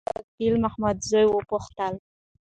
موږ وکیل محمدزی وپوښتله.